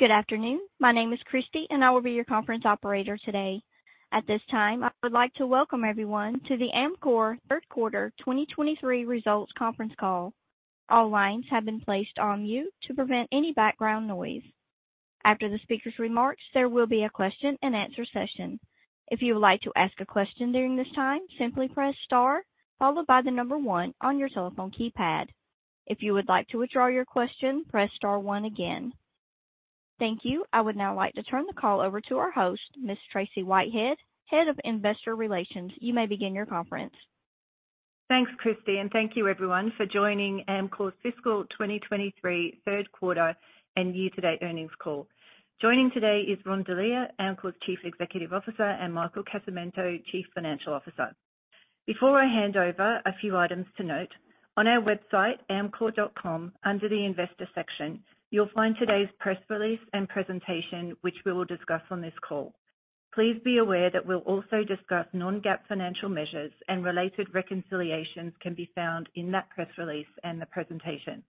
Good afternoon. My name is Christy, and I will be your conference operator today. At this time, I would like to welcome everyone to the Amcor third quarter 2023 results conference call. All lines have been placed on mute to prevent any background noise. After the speaker's remarks, there will be a question-and-answer session. If you would like to ask a question during this time, simply press star followed by the number one on your telephone keypad. If you would like to withdraw your question, press star one again. Thank you. I would now like to turn the call over to our host, Ms. Tracey Whitehead, Head of Investor Relations. You may begin your conference. Thanks, Christy, thank you everyone for joining Amcor's fiscal 2023 third quarter and year-to-date earnings call. Joining today is Ron Delia, Amcor's Chief Executive Officer, and Michael Casamento, Chief Financial Officer. Before I hand over, a few items to note. On our website, amcor.com, under the Investor section, you'll find today's press release and presentation, which we will discuss on this call. Please be aware that we'll also discuss non-GAAP financial measures and related reconciliations can be found in that press release and the presentation.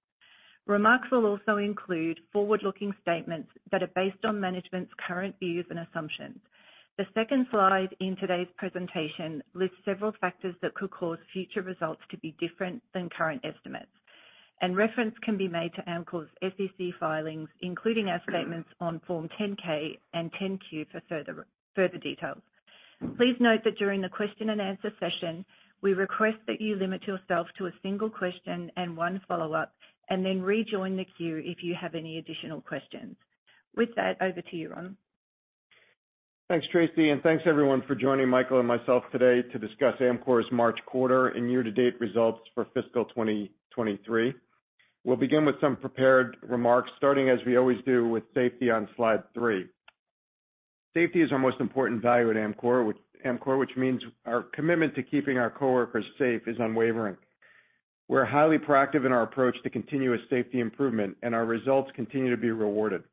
Remarks will also include forward-looking statements that are based on management's current views and assumptions. The second slide in today's presentation lists several factors that could cause future results to be different than current estimates. Reference can be made to Amcor's SEC filings, including our statements on Form 10-K and Form 10-Q for further details. Please note that during the question-and-answer session, we request that you limit yourself to a single question and one follow-up, and then rejoin the queue if you have any additional questions. With that, over to you, Ron. Thanks, Tracey, and thanks everyone for joining Michael and myself today to discuss Amcor's March quarter and year-to-date results for fiscal 2023. We'll begin with some prepared remarks, starting, as we always do, with safety on slide 3. Safety is our most important value at Amcor, which means our commitment to keeping our coworkers safe is unwavering. We're highly proactive in our approach to continuous safety improvement, and our results continue to be rewarded.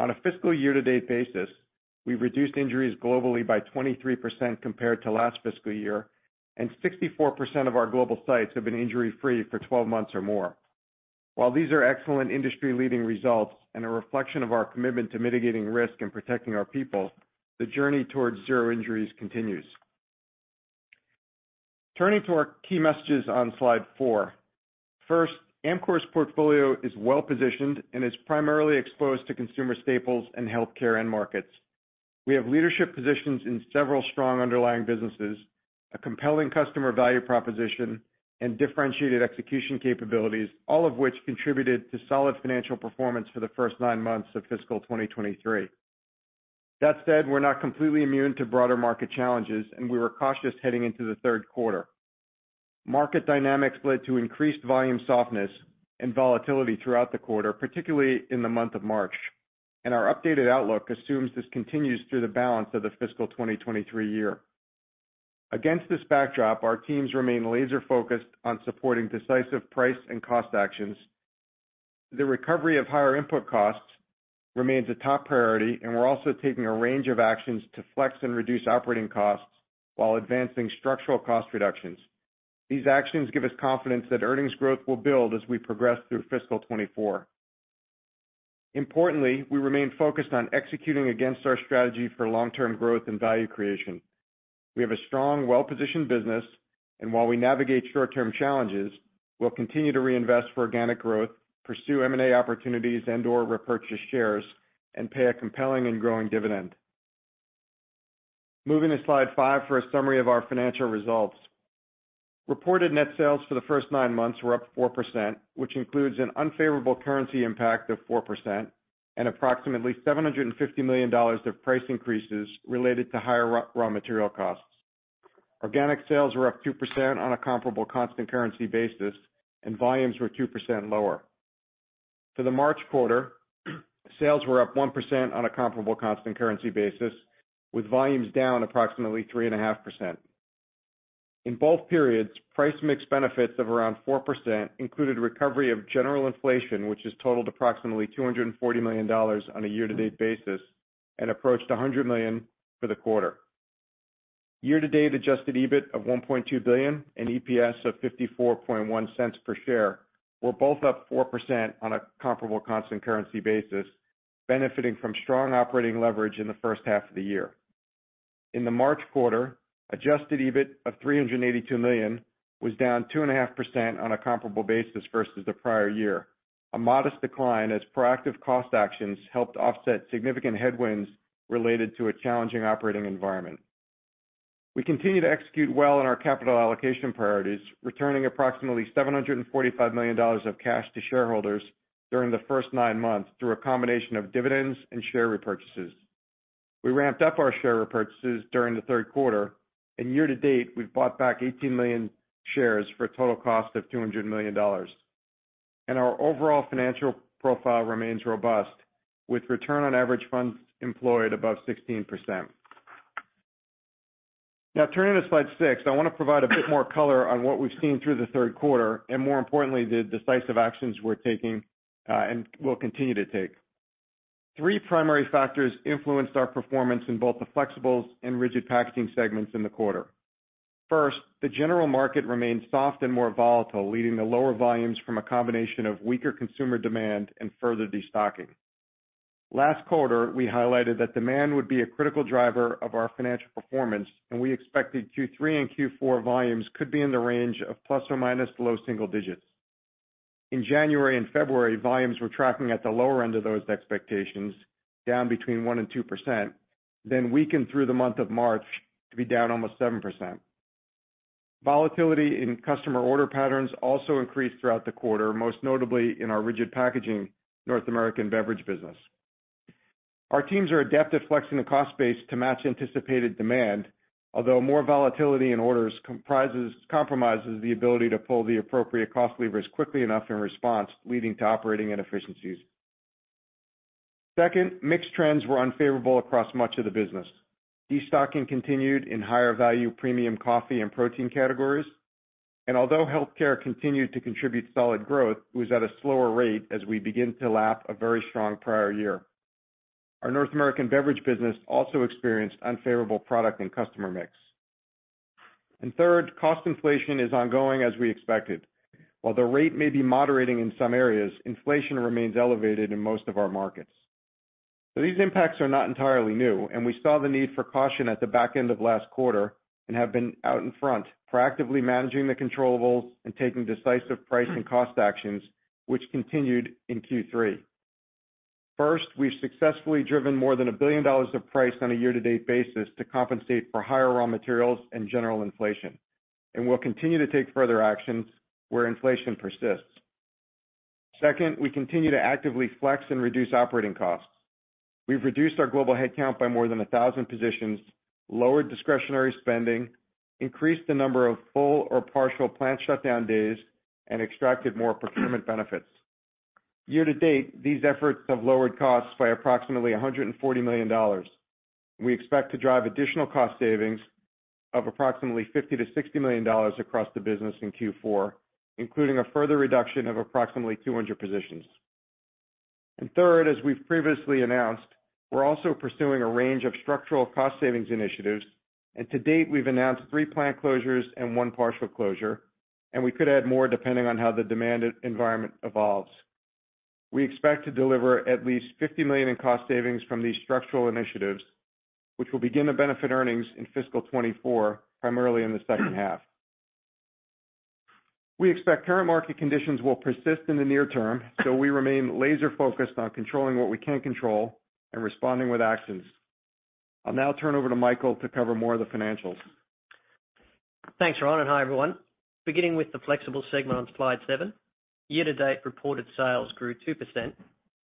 On a fiscal year-to-date basis, we've reduced injuries globally by 23% compared to last fiscal year, and 64% of our global sites have been injury-free for 12 months or more. While these are excellent industry-leading results and a reflection of our commitment to mitigating risk and protecting our people, the journey towards zero injuries continues. Turning to our key messages on slide 4. First, Amcor's portfolio is well-positioned and is primarily exposed to consumer staples and healthcare end markets. We have leadership positions in several strong underlying businesses, a compelling customer value proposition, and differentiated execution capabilities, all of which contributed to solid financial performance for the first nine months of fiscal 2023. That said, we're not completely immune to broader market challenges, and we were cautious heading into the third quarter. Market dynamics led to increased volume softness and volatility throughout the quarter, particularly in the month of March, and our updated outlook assumes this continues through the balance of the fiscal 2023 year. Against this backdrop, our teams remain laser-focused on supporting decisive price and cost actions. The recovery of higher input costs remains a top priority, and we're also taking a range of actions to flex and reduce operating costs while advancing structural cost reductions. These actions give us confidence that earnings growth will build as we progress through fiscal 2024. We remain focused on executing against our strategy for long-term growth and value creation. We have a strong, well-positioned business, and while we navigate short-term challenges, we'll continue to reinvest for organic growth, pursue M&A opportunities and/or repurchase shares, and pay a compelling and growing dividend. Moving to slide 5 for a summary of our financial results. Reported net sales for the first nine months were up 4%, which includes an unfavorable currency impact of 4% and approximately $750 million of price increases related to higher raw material costs. Organic sales were up 2% on a comparable constant currency basis, and volumes were 2% lower. For the March quarter, sales were up 1% on a comparable constant currency basis, with volumes down approximately 3.5%. In both periods, price mix benefits of around 4% included recovery of general inflation, which has totaled approximately $240 million on a year-to-date basis and approached $100 million for the quarter. Year-to-date adjusted EBIT of $1.2 billion and EPS of $0.541 per share were both up 4% on a comparable constant currency basis, benefiting from strong operating leverage in the first half of the year. In the March quarter, adjusted EBIT of $382 million was down 2.5% on a comparable basis versus the prior year, a modest decline as proactive cost actions helped offset significant headwinds related to a challenging operating environment. We continue to execute well in our capital allocation priorities, returning approximately $745 million of cash to shareholders during the first nine months through a combination of dividends and share repurchases. We ramped up our share repurchases during the third quarter, year to date we've bought back 18 million shares for a total cost of $200 million. Our overall financial profile remains robust, with return on average funds employed above 16%. Turning to slide 6, I wanna provide a bit more color on what we've seen through the third quarter and more importantly, the decisive actions we're taking, and will continue to take. Three primary factors influenced our performance in both the flexibles and rigid packaging segments in the quarter. First, the general market remains soft and more volatile, leading to lower volumes from a combination of weaker consumer demand and further destocking. Last quarter, we highlighted that demand would be a critical driver of our financial performance. We expected Q3 and Q4 volumes could be in the range of plus or minus low single digits. In January and February, volumes were tracking at the lower end of those expectations, down between 1% and 2%. Weakened through the month of March to be down almost 7%. Volatility in customer order patterns also increased throughout the quarter, most notably in our rigid packaging North American beverage business. Our teams are adept at flexing the cost base to match anticipated demand. Although more volatility in orders compromises the ability to pull the appropriate cost levers quickly enough in response, leading to operating inefficiencies. Second, mixed trends were unfavorable across much of the business. Destocking continued in higher value premium coffee and protein categories, and although healthcare continued to contribute solid growth, it was at a slower rate as we begin to lap a very strong prior year. Our North American beverage business also experienced unfavorable product and customer mix. Third, cost inflation is ongoing as we expected. While the rate may be moderating in some areas, inflation remains elevated in most of our markets. These impacts are not entirely new, and we saw the need for caution at the back end of last quarter and have been out in front, proactively managing the controllables and taking decisive price and cost actions, which continued in Q3. First, we've successfully driven more than $1 billion of price on a year-to-date basis to compensate for higher raw materials and general inflation. We'll continue to take further actions where inflation persists. Second, we continue to actively flex and reduce operating costs. We've reduced our global headcount by more than 1,000 positions, lowered discretionary spending, increased the number of full or partial plant shutdown days, and extracted more procurement benefits. Year to date, these efforts have lowered costs by approximately $140 million. We expect to drive additional cost savings of approximately $50 million-$60 million across the business in Q4, including a further reduction of approximately 200 positions. Third, as we've previously announced, we're also pursuing a range of structural cost savings initiatives, and to date, we've announced three plant closures and one partial closure, and we could add more depending on how the demand e-environment evolves. We expect to deliver at least $50 million in cost savings from these structural initiatives, which will begin to benefit earnings in fiscal 2024, primarily in the second half. We expect current market conditions will persist in the near term, we remain laser-focused on controlling what we can control and responding with actions. I'll now turn over to Michael to cover more of the financials. Thanks, Ron, and hi, everyone. Beginning with the flexible segment on slide 7. Year-to-date reported sales grew 2%,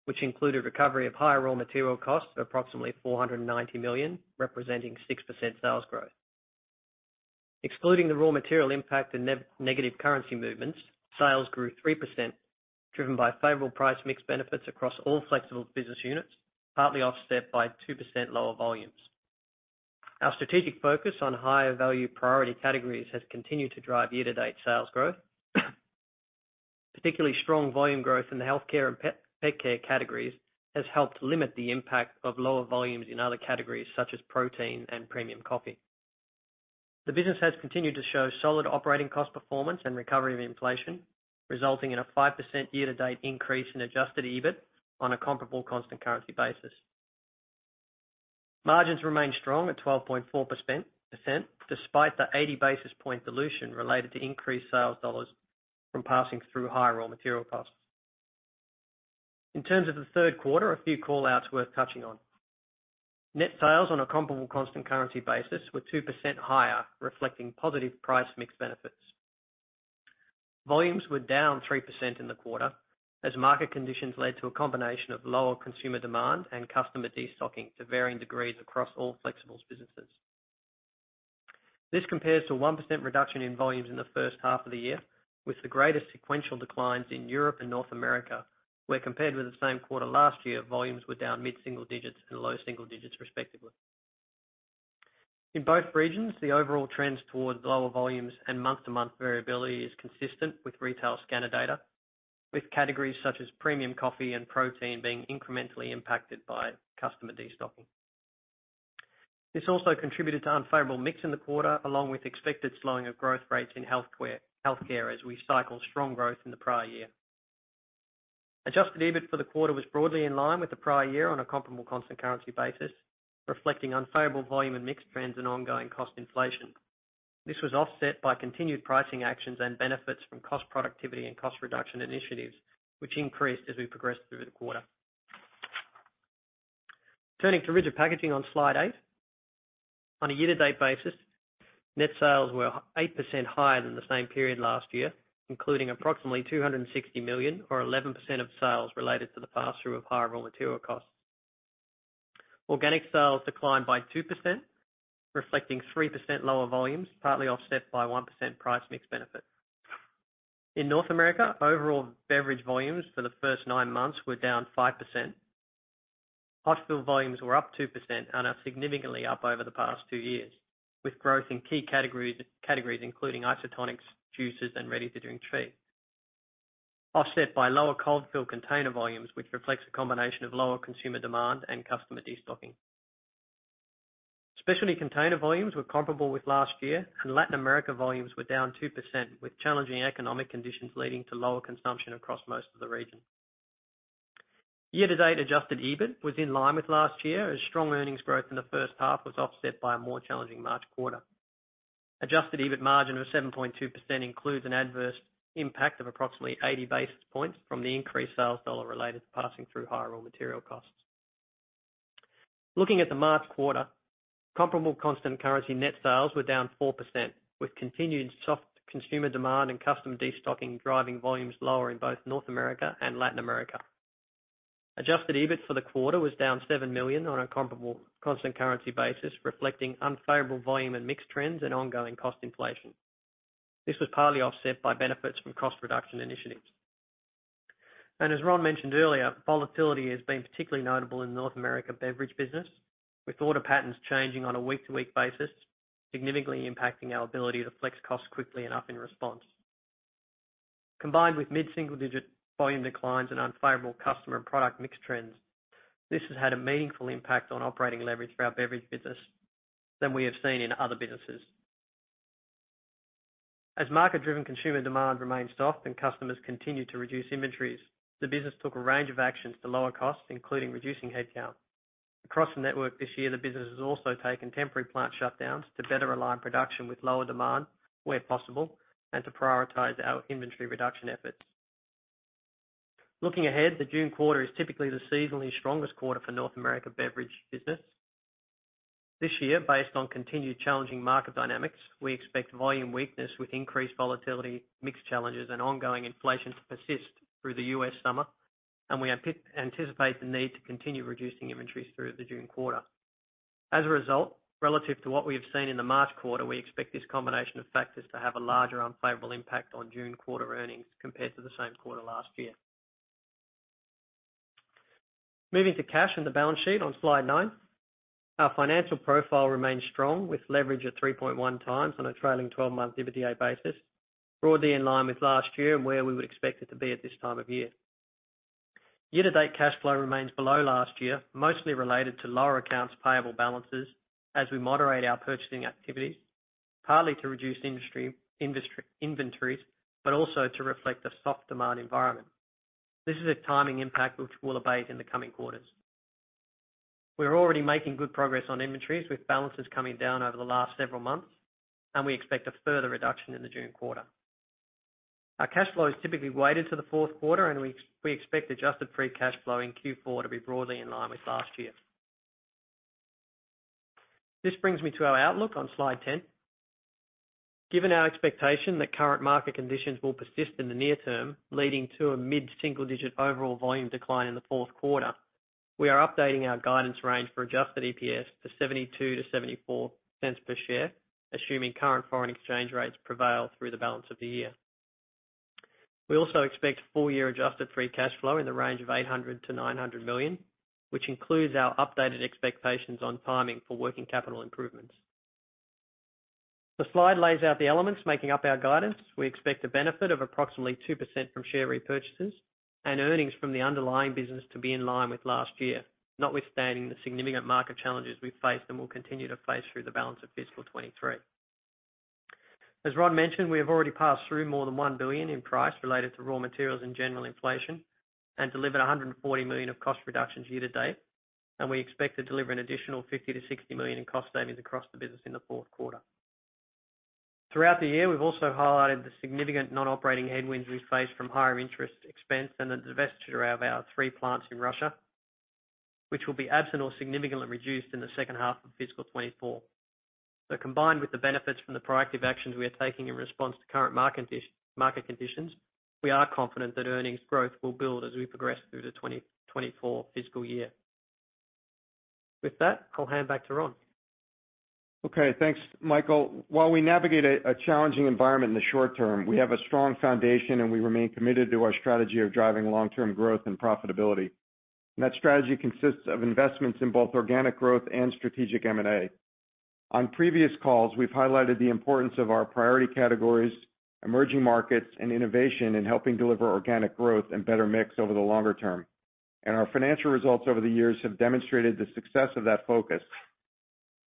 which included recovery of higher raw material costs of approximately $490 million, representing 6% sales growth. Excluding the raw material impact and negative currency movements, sales grew 3%, driven by favorable price mix benefits across all flexible business units, partly offset by 2% lower volumes. Our strategic focus on higher value priority categories has continued to drive year-to-date sales growth. Particularly strong volume growth in the healthcare and pet care categories has helped limit the impact of lower volumes in other categories such as protein and premium coffee. The business has continued to show solid operating cost performance and recovery of inflation, resulting in a 5% year-to-date increase in adjusted EBIT on a comparable constant currency basis. Margins remain strong at 12.4% despite the 80 basis point dilution related to increased sales dollars from passing through higher raw material costs. In terms of the third quarter, a few call-outs worth touching on. Net sales on a comparable constant currency basis were 2% higher, reflecting positive price mix benefits. Volumes were down 3% in the quarter as market conditions led to a combination of lower consumer demand and customer destocking to varying degrees across all Flexibles businesses. This compares to a 1% reduction in volumes in the first half of the year, with the greatest sequential declines in Europe and North America, where compared with the same quarter last year, volumes were down mid-single digits and low double digits, respectively. In both regions, the overall trends towards lower volumes and month-to-month variability is consistent with retail scanner data, with categories such as premium coffee and protein being incrementally impacted by customer destocking. This also contributed to unfavorable mix in the quarter, along with expected slowing of growth rates in healthcare as we cycle strong growth in the prior year. Adjusted EBIT for the quarter was broadly in line with the prior year on a comparable constant currency basis, reflecting unfavorable volume and mix trends and ongoing cost inflation. This was offset by continued pricing actions and benefits from cost productivity and cost reduction initiatives, which increased as we progressed through the quarter. Turning to Rigid Packaging on Slide 8. On a year-to-date basis, net sales were 8% higher than the same period last year, including approximately $260 million or 11% of sales related to the pass-through of higher raw material costs. Organic sales declined by 2%, reflecting 3% lower volumes, partly offset by 1% price mix benefit. In North America, overall beverage volumes for the first nine months were down 5%. Hospital volumes were up 2% and are significantly up over the past two years, with growth in key categories including isotonics, juices, and ready-to-drink tea. Offset by lower cold fill container volumes, which reflects a combination of lower consumer demand and customer destocking. Specialty container volumes were comparable with last year. Latin America volumes were down 2%, with challenging economic conditions leading to lower consumption across most of the region. Year-to-date adjusted EBIT was in line with last year, as strong earnings growth in the first half was offset by a more challenging March quarter. Adjusted EBIT margin of 7.2% includes an adverse impact of approximately 80 basis points from the increased sales dollar related to passing through higher raw material costs. Looking at the March quarter, comparable constant currency net sales were down 4%, with continued soft consumer demand and customer destocking driving volumes lower in both North America and Latin America. Adjusted EBIT for the quarter was down $7 million on a comparable constant currency basis, reflecting unfavorable volume and mixed trends and ongoing cost inflation. This was partly offset by benefits from cost reduction initiatives. As Ron mentioned earlier, volatility has been particularly notable in the North America beverage business, with order patterns changing on a week-to-week basis, significantly impacting our ability to flex costs quickly enough in response. Combined with mid-single-digit volume declines and unfavorable customer and product mix trends, this has had a meaningful impact on operating leverage for our beverage business than we have seen in other businesses. As market-driven consumer demand remains soft and customers continue to reduce inventories, the business took a range of actions to lower costs, including reducing headcount. Across the network this year, the business has also taken temporary plant shutdowns to better align production with lower demand where possible and to prioritize our inventory reduction efforts. Looking ahead, the June quarter is typically the seasonally strongest quarter for North America beverage business. This year, based on continued challenging market dynamics, we expect volume weakness with increased volatility, mix challenges, and ongoing inflation to persist through the US summer, we anticipate the need to continue reducing inventories through the June quarter. As a result, relative to what we have seen in the March quarter, we expect this combination of factors to have a larger unfavorable impact on June quarter earnings compared to the same quarter last year. Moving to cash and the balance sheet on slide 9. Our financial profile remains strong, with leverage at 3.1 times on a trailing twelve-month EBITDA basis, broadly in line with last year and where we would expect it to be at this time of year. Year-to-date cash flow remains below last year, mostly related to lower accounts payable balances as we moderate our purchasing activities, partly to reduce industry inventories, but also to reflect the soft demand environment. This is a timing impact which will abate in the coming quarters. We're already making good progress on inventories, with balances coming down over the last several months, and we expect a further reduction in the June quarter. Our cash flow is typically weighted to the fourth quarter and we expect adjusted free cash flow in Q4 to be broadly in line with last year. This brings me to our outlook on slide 10. Given our expectation that current market conditions will persist in the near term, leading to a mid-single-digit overall volume decline in the fourth quarter, we are updating our guidance range for adjusted EPS to $0.72-$0.74 per share, assuming current foreign exchange rates prevail through the balance of the year. We also expect full-year adjusted free cash flow in the range of $800 million-$900 million, which includes our updated expectations on timing for working capital improvements. The slide lays out the elements making up our guidance. We expect the benefit of approximately 2% from share repurchases and earnings from the underlying business to be in line with last year, notwithstanding the significant market challenges we face and will continue to face through the balance of fiscal 2023. As Ron mentioned, we have already passed through more than $1 billion in price related to raw materials and general inflation and delivered $140 million of cost reductions year-to-date, we expect to deliver an additional $50 million-$60 million in cost savings across the business in the fourth quarter. Throughout the year, we've also highlighted the significant non-operating headwinds we face from higher interest expense and the divestiture of our 3 plants in Russia, which will be absent or significantly reduced in the second half of fiscal 2024. Combined with the benefits from the proactive actions we are taking in response to current market conditions, we are confident that earnings growth will build as we progress through the 2024 fiscal year. With that, I'll hand back to Ron. Okay, thanks, Michael. While we navigate a challenging environment in the short term, we have a strong foundation, we remain committed to our strategy of driving long-term growth and profitability. That strategy consists of investments in both organic growth and strategic M&A. On previous calls, we've highlighted the importance of our priority categories, emerging markets, and innovation in helping deliver organic growth and better mix over the longer term. Our financial results over the years have demonstrated the success of that focus.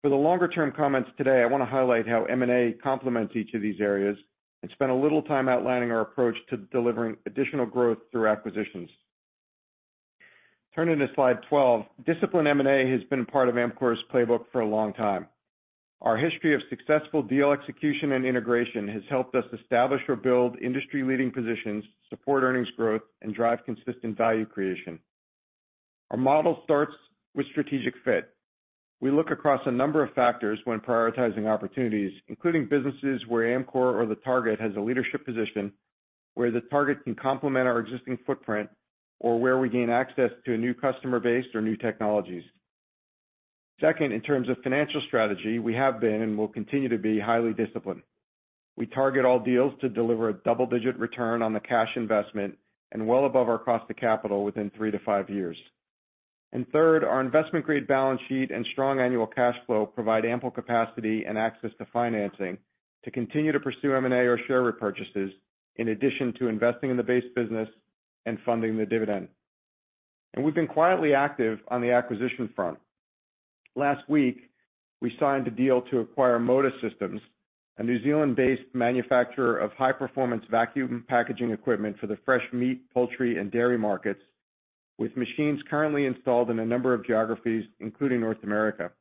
For the longer-term comments today, I wanna highlight how M&A complements each of these areas and spend a little time outlining our approach to delivering additional growth through acquisitions. Turning to slide 12. Disciplined M&A has been part of Amcor's playbook for a long time. Our history of successful deal execution and integration has helped us establish or build industry-leading positions, support earnings growth, and drive consistent value creation. Our model starts with strategic fit. We look across a number of factors when prioritizing opportunities, including businesses where Amcor or the target has a leadership position, where the target can complement our existing footprint or where we gain access to a new customer base or new technologies. Second, in terms of financial strategy, we have been and will continue to be highly disciplined. We target all deals to deliver a double-digit return on the cash investment and well above our cost of capital within 3 to 5 years. Third, our investment grade balance sheet and strong annual cash flow provide ample capacity and access to financing to continue to pursue M&A or share repurchases, in addition to investing in the base business and funding the dividend. We've been quietly active on the acquisition front. Last week, we signed a deal to acquire Moda Systems, a New Zealand-based manufacturer of high-performance vacuum packaging equipment for the fresh meat, poultry, and dairy markets, with machines currently installed in a number of geographies, including North America.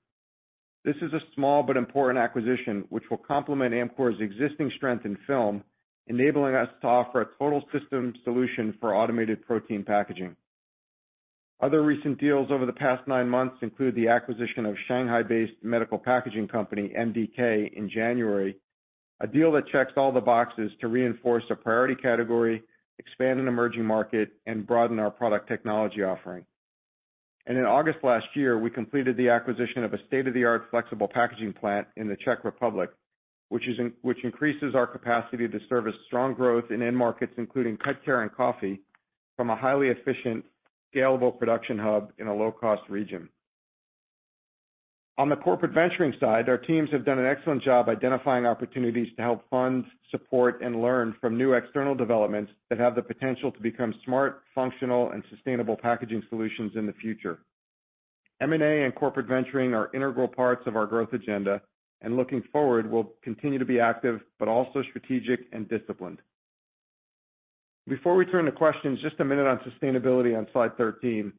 This is a small but important acquisition, which will complement Amcor's existing strength in film, enabling us to offer a total system solution for automated protein packaging. Other recent deals over the past nine months include the acquisition of Shanghai-based medical packaging company MDK in January, a deal that checks all the boxes to reinforce a priority category, expand an emerging market, and broaden our product technology offering. In August last year, we completed the acquisition of a state-of-the-art flexible packaging plant in the Czech Republic, which increases our capacity to service strong growth in end markets, including pet care and coffee from a highly efficient, scalable production hub in a low-cost region. On the corporate venturing side, our teams have done an excellent job identifying opportunities to help fund, support, and learn from new external developments that have the potential to become smart, functional, and sustainable packaging solutions in the future. M&A and corporate venturing are integral parts of our growth agenda, and looking forward, we'll continue to be active, but also strategic and disciplined. Before we turn to questions, just a minute on sustainability on slide 13.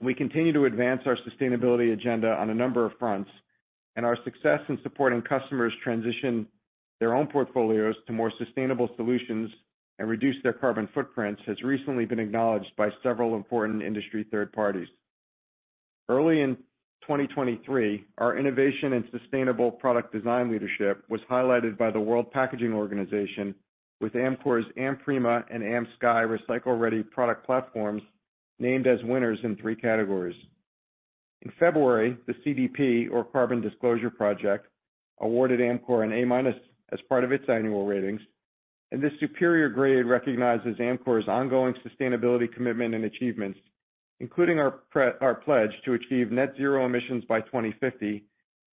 We continue to advance our sustainability agenda on a number of fronts, and our success in supporting customers transition their own portfolios to more sustainable solutions and reduce their carbon footprints has recently been acknowledged by several important industry third parties. Early in 2023, our innovation and sustainable product design leadership was highlighted by the World Packaging Organisation, with Amcor's AmPrima and AmSky recycle-ready product platforms named as winners in 3 categories. In February, the CDP, or Carbon Disclosure Project, awarded Amcor an A-minus as part of its annual ratings. This superior grade recognizes Amcor's ongoing sustainability commitment and achievements, including our pledge to achieve net zero emissions by 2050,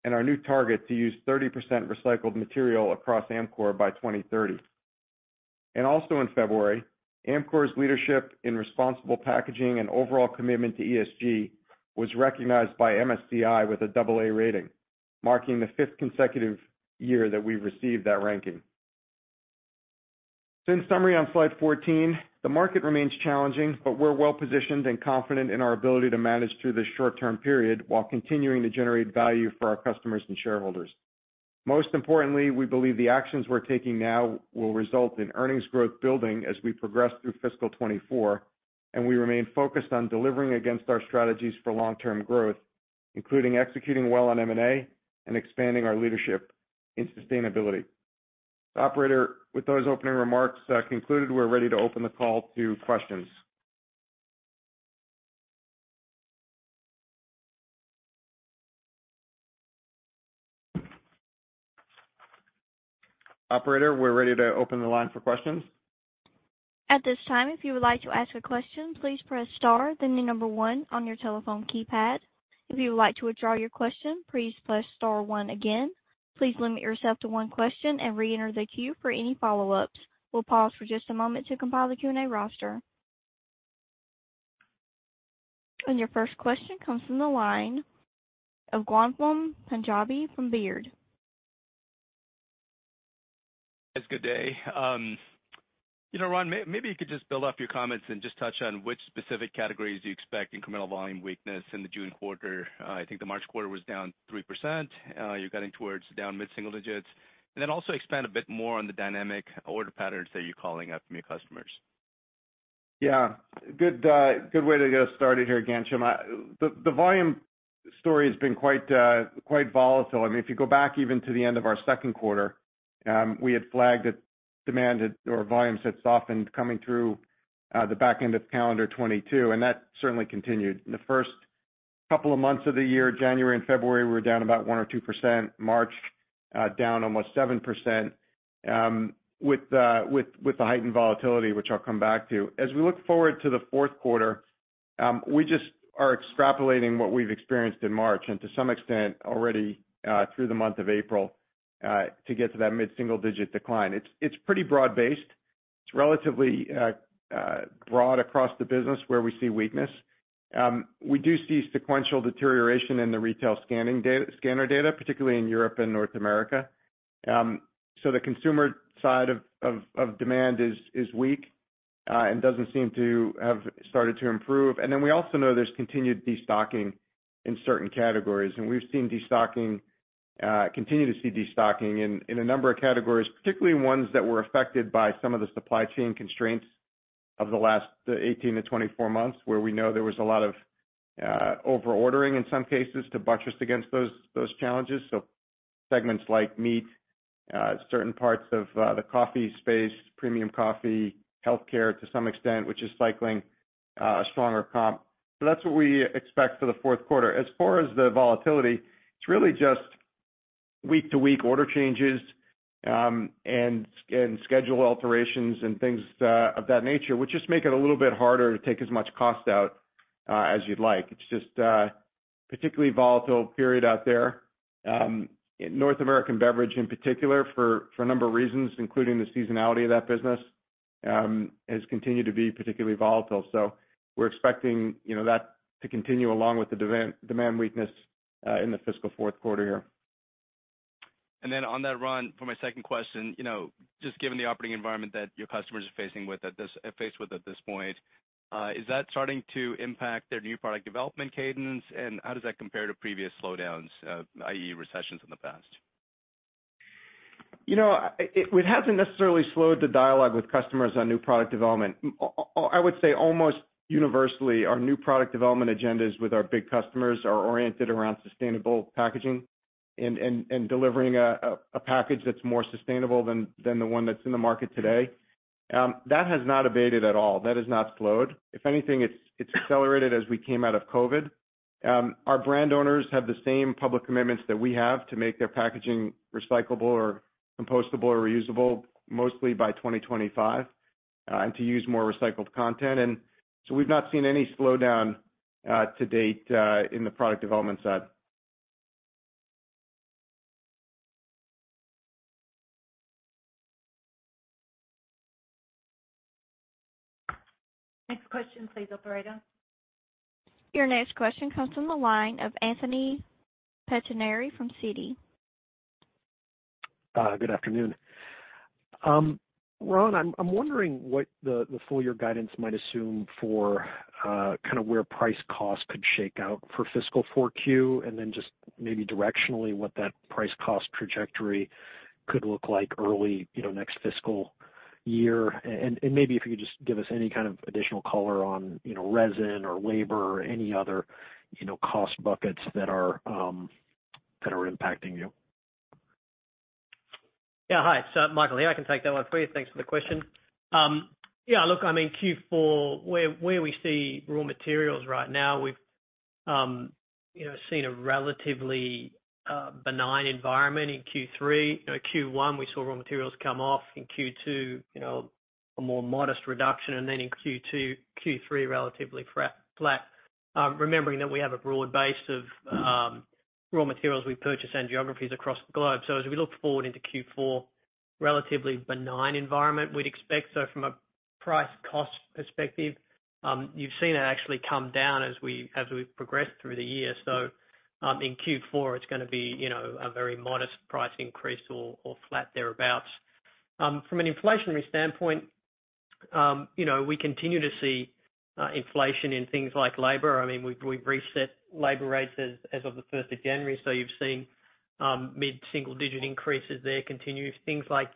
and our new target to use 30% recycled material across Amcor by 2030. Also in February, Amcor's leadership in responsible packaging and overall commitment to ESG was recognized by MSCI with a double A rating, marking the fifth consecutive year that we've received that ranking. In summary on slide 14, the market remains challenging, but we're well-positioned and confident in our ability to manage through this short-term period while continuing to generate value for our customers and shareholders. Most importantly, we believe the actions we're taking now will result in earnings growth building as we progress through fiscal 2024, and we remain focused on delivering against our strategies for long-term growth, including executing well on M&A and expanding our leadership in sustainability. Operator, with those opening remarks, concluded, we're ready to open the call to questions. Operator, we're ready to open the line for questions. At this time, if you would like to ask a question, please press star, then the number one on your telephone keypad. If you would like to withdraw your question, please press star one again. Please limit yourself to one question and reenter the queue for any follow-ups. We'll pause for just a moment to compile the Q&A roster. Your first question comes from the line of Ghansham Panjabi from Baird. Yes, good day. you know, Ron, maybe you could just build off your comments and just touch on which specific categories do you expect incremental volume weakness in the June quarter? I think the March quarter was down 3%. You're guiding towards down mid-single digits. Then also expand a bit more on the dynamic order patterns that you're calling out from your customers? Yeah. Good way to get us started here again, Jim. The volume story has been quite volatile. I mean, if you go back even to the end of our second quarter, we had flagged that demand had or volumes had softened coming through the back end of calendar 2022, and that certainly continued. In the first couple of months of the year, January and February, we were down about 1% or 2%. March, down almost 7%, with the heightened volatility, which I'll come back to. As we look forward to the fourth quarter, we just are extrapolating what we've experienced in March and to some extent already, through the month of April, to get to that mid-single-digit decline. It's pretty broad-based. It's relatively broad across the business where we see weakness. We do see sequential deterioration in the retail scanner data, particularly in Europe and North America. The consumer side of demand is weak and doesn't seem to have started to improve. We also know there's continued destocking in certain categories, and we've seen destocking continue to see destocking in a number of categories, particularly ones that were affected by some of the supply chain constraints of the last 18-24 months, where we know there was a lot of over-ordering in some cases to buttress against those challenges. Segments like meat, certain parts of the coffee space, premium coffee, healthcare to some extent, which is cycling a stronger comp. That's what we expect for the fourth quarter. As far as the volatility, it's really just week-to-week order changes, and schedule alterations and things of that nature, which just make it a little bit harder to take as much cost out as you'd like. It's just a particularly volatile period out there. North American beverage in particular for a number of reasons, including the seasonality of that business, has continued to be particularly volatile. We're expecting, you know, that to continue along with the demand weakness in the fiscal fourth quarter here. On that, Ron, for my second question, you know, just given the operating environment that your customers are faced with at this point, is that starting to impact their new product development cadence and how does that compare to previous slowdowns, i.e. recessions in the past? You know, it hasn't necessarily slowed the dialogue with customers on new product development. I would say almost universally, our new product development agendas with our big customers are oriented around sustainable packaging and delivering a package that's more sustainable than the one that's in the market today. That has not abated at all. That has not slowed. If anything, it's accelerated as we came out of COVID. Our brand owners have the same public commitments that we have to make their packaging recyclable or compostable or reusable, mostly by 2025, and to use more recycled content. We've not seen any slowdown to date in the product development side. Next question, please, operator. Your next question comes from the line of Anthony Pettinari from Citi. Good afternoon. Ron, I'm wondering what the full year guidance might assume for kind of where price cost could shake out for fiscal 4Q, and then just maybe directionally, what that price cost trajectory could look like early, you know, next fiscal year. Maybe if you could just give us any kind of additional color on, you know, resin or labor or any other, you know, cost buckets that are impacting you. Hi, so Michael here, I can take that one for you. Thanks for the question. I mean, Q4, where we see raw materials right now, we've, you know, seen a relatively benign environment in Q3. You know, Q1, we saw raw materials come off. In Q2, you know, a more modest reduction, and then in Q3, relatively flat. Remembering that we have a broad base of raw materials we purchase in geographies across the globe. As we look forward into Q4, relatively benign environment, we'd expect. From a price cost perspective, you've seen it actually come down as we've progressed through the year. In Q4, it's gonna be, you know, a very modest price increase or flat thereabout. From an inflationary standpoint, you know, we continue to see inflation in things like labor. I mean, we've reset labor rates as of the first of January. You've seen mid-single digit increases there continue. Things like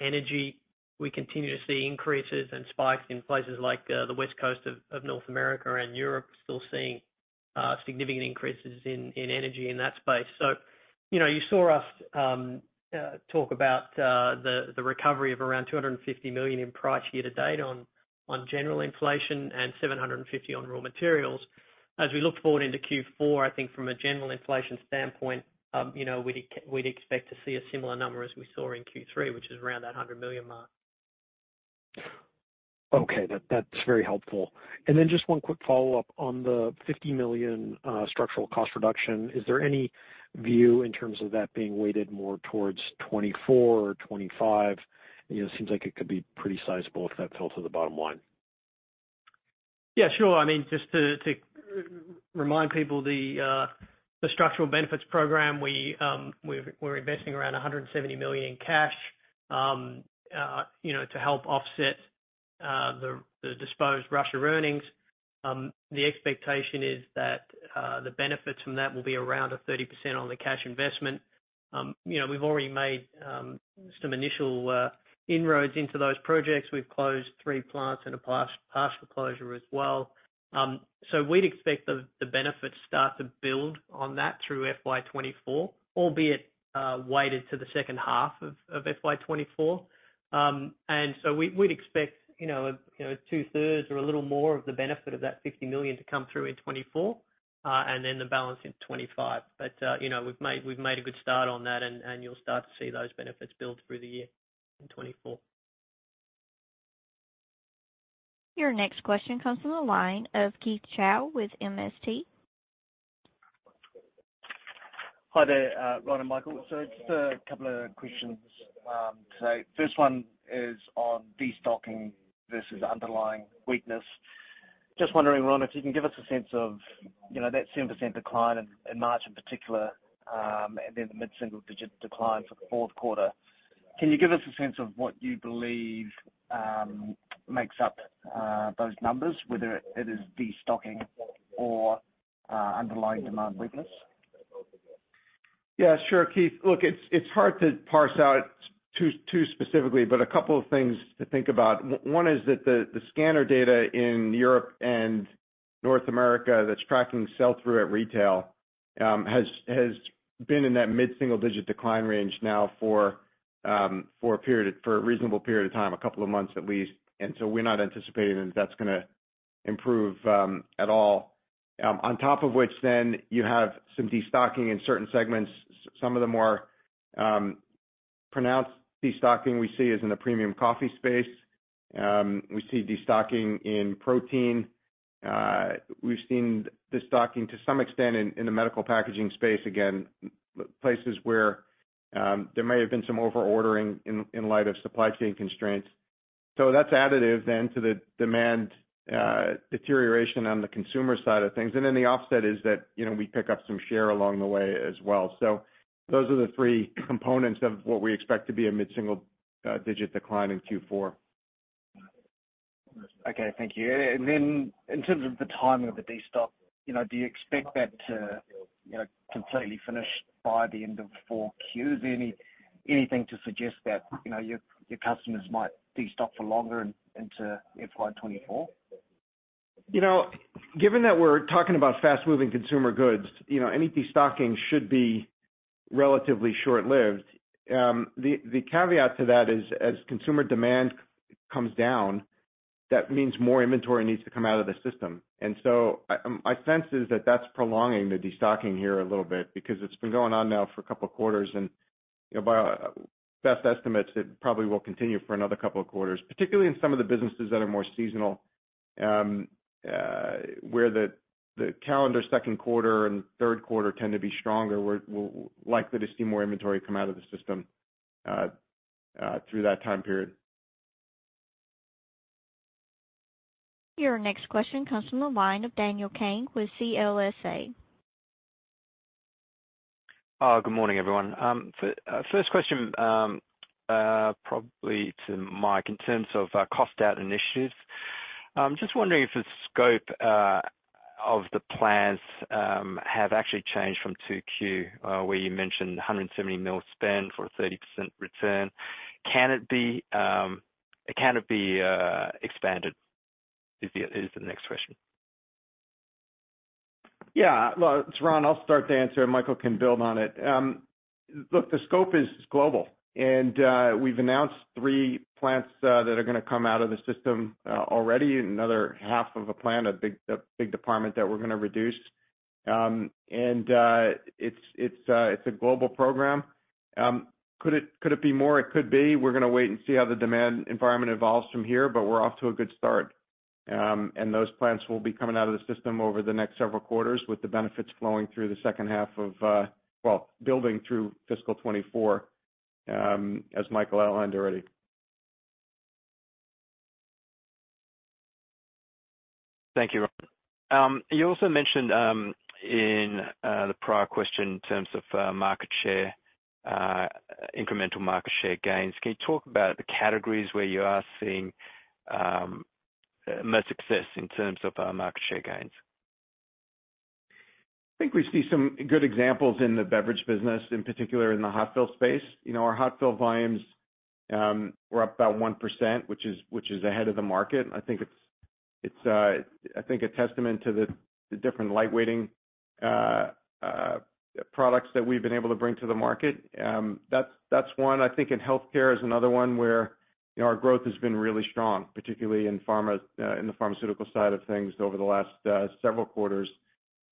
energy, we continue to see increases and spikes in places like the West Coast of North America and Europe still seeing significant increases in energy in that space. You know, you saw us talk about the recovery of around $250 million in price year-to-date on general inflation and $750 million on raw materials. As we look forward into Q4, I think from a general inflation standpoint, you know, we'd expect to see a similar number as we saw in Q3, which is around that $100 million mark. Okay. That's very helpful. Just one quick follow-up on the $50 million structural cost reduction. Is there any view in terms of that being weighted more towards 2024 or 2025? You know, it seems like it could be pretty sizable if that fell to the bottom line. Yeah, sure. I mean, just to remind people, the structural benefits program, we're investing around $170 million in cash, you know, to help offset the disposed Russia earnings. The expectation is that the benefits from that will be around 30% on the cash investment. You know, we've already made some initial inroads into those projects. We've closed 3 plants and a partial closure as well. We'd expect the benefits start to build on that through FY 2024, albeit weighted to the second half of FY 2024. We'd expect, you know, two-thirds or a little more of the benefit of that $50 million to come through in 2024, and then the balance in 2025. you know, we've made a good start on that, and you'll start to see those benefits build through the year in 2024. Your next question comes from the line of Keith Chau with MST. Hi there, Ron and Michael. Just a couple of questions today. First one is on destocking versus underlying weakness. Just wondering, Ron, if you can give us a sense of, you know, that 7% decline in March in particular, and then the mid-single digit decline for the fourth quarter. Can you give us a sense of what you believe makes up those numbers, whether it is destocking or underlying demand weakness? Sure, Keith. It's hard to parse out too specifically, but a couple of things to think about. One is that the scanner data in Europe and North America that's tracking sell-through at retail has been in that mid-single digit decline range now for a reasonable period of time, a couple of months at least. we're not anticipating that that's gonna improve at all. On top of which then you have some destocking in certain segments. Some of the more pronounced destocking we see is in the premium coffee space. We see destocking in protein. We've seen destocking to some extent in the medical packaging space. Again, places where there may have been some over ordering in light of supply chain constraints. That's additive then to the demand deterioration on the consumer side of things. The offset is that, you know, we pick up some share along the way as well. Those are the three components of what we expect to be a mid-single digit decline in Q4. Okay. Thank you. Then in terms of the timing of the destock, you know, do you expect that to, you know, completely finish by the end of 4 Qs? Anything to suggest that, you know, your customers might destock for longer into FY 2024? You know, given that we're talking about fast-moving consumer goods, you know, any destocking should be relatively short-lived. The caveat to that is, as consumer demand comes down, that means more inventory needs to come out of the system. I, my sense is that that's prolonging the destocking here a little bit because it's been going on now for a couple of quarters and, you know, by best estimates, it probably will continue for another couple of quarters, particularly in some of the businesses that are more seasonal, where the calendar second quarter and third quarter tend to be stronger. We're likely to see more inventory come out of the system, through that time period. Your next question comes from the line of Daniel Kang with CLSA. Good morning, everyone. First question, probably to Mike. In terms of cost out initiatives, I'm just wondering if the scope of the plans have actually changed from 2Q, where you mentioned a $170 million spend for a 30% return. Can it be expanded? Is the next question. Yeah. Well, it's Ron, I'll start the answer, and Michael can build on it. Look, the scope is global, and we've announced 3 plants that are gonna come out of the system already. Another half of a plant, a big department that we're gonna reduce. It's a global program. Could it be more? It could be. We're gonna wait and see how the demand environment evolves from here, but we're off to a good start. Those plants will be coming out of the system over the next several quarters, with the benefits flowing through the second half of... Well, building through fiscal 2024, as Michael outlined already. Thank you, Ron. You also mentioned in the prior question in terms of market share incremental market share gains. Can you talk about the categories where you are seeing more success in terms of market share gains? I think we see some good examples in the beverage business, in particular in the hot fill space. You know, our hot fill volumes were up about 1%, which is ahead of the market. I think it's I think a testament to the different light weighting products that we've been able to bring to the market. That's one. I think in healthcare is another one where, you know, our growth has been really strong, particularly in pharma, in the pharmaceutical side of things over the last several quarters,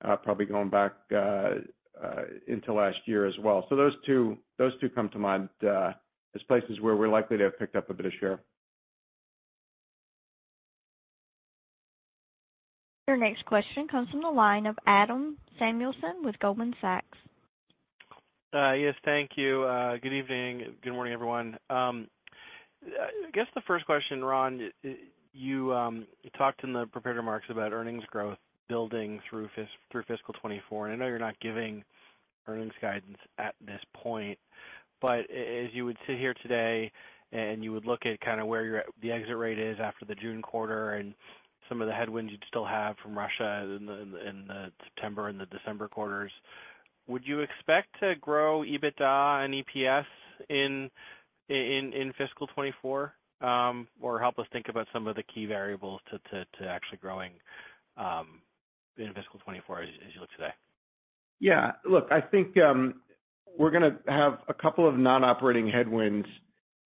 probably going back into last year as well. Those two, those two come to mind as places where we're likely to have picked up a bit of share. Your next question comes from the line of Adam Samuelson with Goldman Sachs. Yes, thank you. Good evening. Good morning, everyone. I guess the first question, Ron, you talked in the prepared remarks about earnings growth building through fiscal 2024. I know you're not giving earnings guidance at this point, but as you would sit here today and you would look at kind of where you're at, the exit rate is after the June quarter and some of the headwinds you'd still have from Russia in the September and the December quarters, would you expect to grow EBITDA and EPS in fiscal 2024? Or help us think about some of the key variables to actually growing in fiscal 2024 as you look today. Yeah. Look, I think, we're gonna have a couple of non-operating headwinds